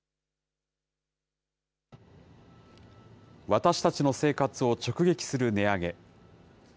私たちの生活を直撃する値上げ。